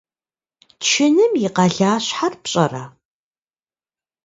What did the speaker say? Чыным и къалащхьэр пщӏэрэ?